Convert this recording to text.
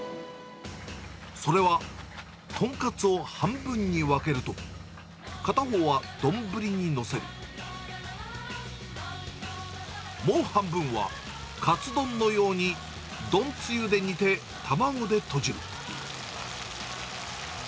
それは、豚カツを半分に分けると、片方は丼に載せ、もう半分はカツ丼のように丼つゆで煮て、卵でとじる。